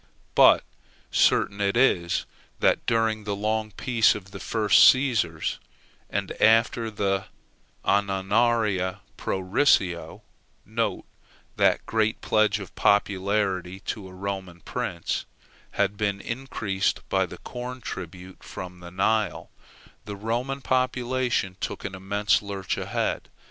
But certain it is, that during the long peace of the first Cæsars, and after the annonaria prorisio, (that great pledge of popularity to a Roman prince,) had been increased by the corn tribute from the Nile, the Roman population took an immense lurch ahead.